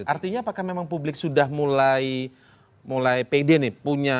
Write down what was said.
artinya apakah memang publik sudah mulai pede nih